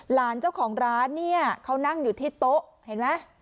หลานเจ้าของร้านเนี่ยเขานั่งอยู่ที่โต๊ะเห็นไหม